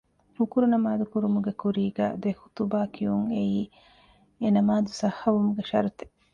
ހުކުރު ނަމާދު ކުރުމުގެ ކުރީގައި ދެ ޚުޠުބާ ކިޔުން އެއީ އެ ނަމާދު ޞައްޙަވުމުގެ ޝަރުޠެއް